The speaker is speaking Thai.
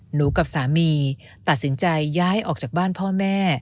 หนูกับสามีตัดสินใจย้ายออกจากบ้านพ่อแม่